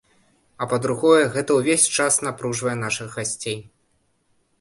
А па-другое, гэта ўвесь час напружвае нашых гасцей.